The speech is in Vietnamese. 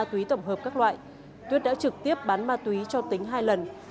tuyết đã trực tiếp bán ma túy cho tính hai lần